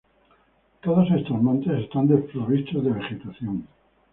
Todos estos montes están desprovistos de vegetación.